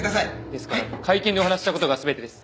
ですから会見でお話しした事が全てです。